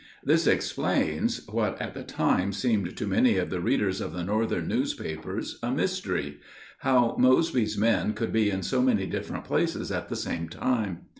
This explains what at the time seemed to many of the readers of the Northern newspapers a mystery how Mosby's men could be in so many different places at the same time.